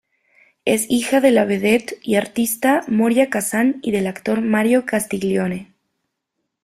Es hija de la vedette y artista Moria Casán y del actor Mario Castiglione.